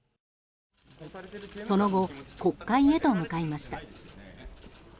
その後、国会へと向かいました。